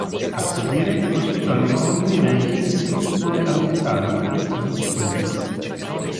A seguire ospitò incontri dei di football americano e di ciclismo.